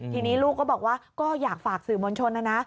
ทีนี้ลูกก็บอกว่าก็อยากฝากสื่อมวลชนนะนะ